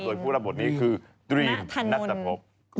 โดยผู้รับบทนี้คือตรีมธนัตตะพบ